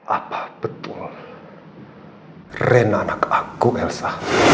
apa betul rena anak aku elsa